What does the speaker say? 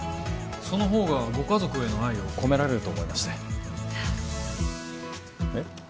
そのほうがご家族への愛を込められると思いましてえっ？